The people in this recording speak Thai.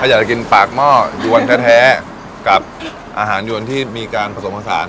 อยากจะกินปากหม้อยวนแท้กับอาหารยวนที่มีการผสมผสาน